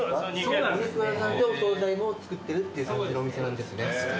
お肉屋さんでお総菜も作ってるっていう感じのお店なんですね。